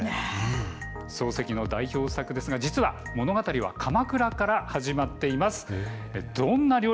漱石の代表作ですが実は物語は鎌倉から始まっているんです。